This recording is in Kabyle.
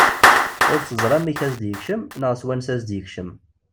Ur teẓri amek i as-d-yekcem neɣ s wansa i as-d-yekcem.